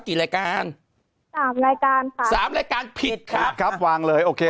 กี่รายการสามรายการค่ะสามรายการผิดครับผิดครับครับวางเลยโอเค